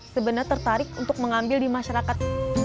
sebenarnya tertarik untuk mengambil di masyarakat